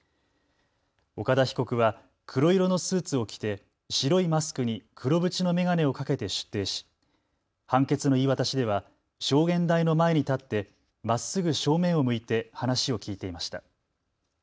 岡田被告は黒色のスーツを着て白いマスクに黒縁の眼鏡をかけて出廷し、判決の言い渡しでは証言台の前に立ってまっすぐ正面を向いて話を聞いていました。